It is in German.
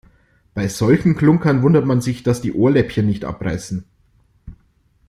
Bei solchen Klunkern wundert man sich, dass die Ohrläppchen nicht abreißen.